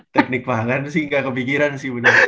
teknik pangan sih gak kepikiran sih